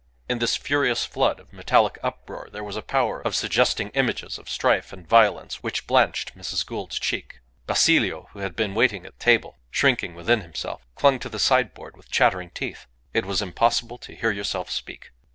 In this furious flood of metallic uproar there was a power of suggesting images of strife and violence which blanched Mrs. Gould's cheek. Basilio, who had been waiting at table, shrinking within himself, clung to the sideboard with chattering teeth. It was impossible to hear yourself speak.